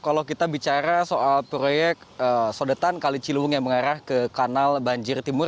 kalau kita bicara soal proyek sodetan kali ciliwung yang mengarah ke kanal banjir timur